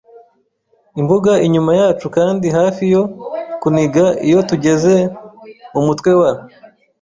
imbuga inyuma yacu kandi hafi yo kuniga iyo tugeze mumutwe wa